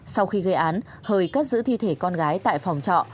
sau khi gây án hời cất giữ thi thể con gái tại phòng trọ